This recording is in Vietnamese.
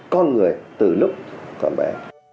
con người từ lúc còn bé